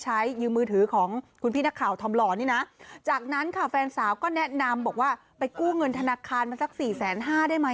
หลังนั้นค่ะแฟนสาวก็แนะนำบอกว่าไปกู้เงินธนาคารมันสัก๔๕๐๐๐๐บาทได้ไหม